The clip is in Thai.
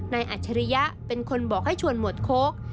อัจฉริยะเป็นคนบอกให้ชวนหมวดโค้ก